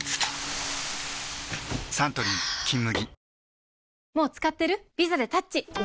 サントリー「金麦」